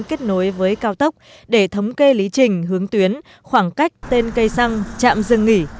kết nối với cao tốc để thống kê lý trình hướng tuyến khoảng cách tên cây xăng trạm dừng nghỉ